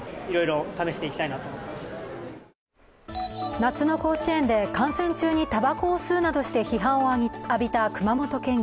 夏の甲子園で観戦中にたばこを吸うなどして批判を浴びた熊本県議。